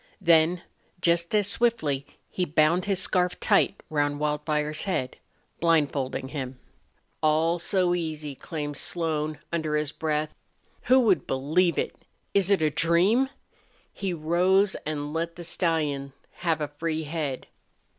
Then, just as swiftly, he bound his scarf tight round Wildfire's head, blindfolding him. "All so easy!" exclaimed Slone, under his breath. "Who would believe it! Is it a dream?" He rose and let the stallion have a free head.